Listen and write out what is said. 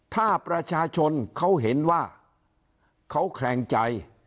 ถ้าประชาชนเขาเห็นว่าเขาแคลงใจ